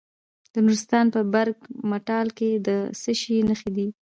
د نورستان په برګ مټال کې د څه شي نښې دي؟